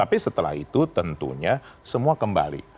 tapi setelah itu tentunya semua kembali